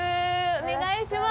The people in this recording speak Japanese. お願いします。